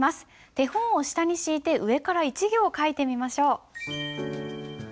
手本を下に敷いて上から１行書いてみましょう。